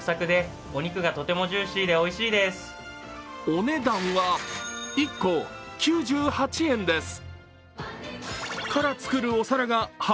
お値段は１個９８円です。